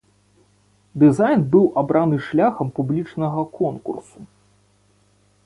Дызайн быў абраны шляхам публічнага конкурсу.